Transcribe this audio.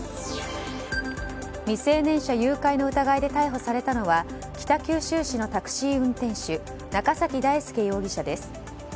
未成年者誘拐の疑いで逮捕されたのは北九州市のタクシー運転手中崎大輔容疑者です。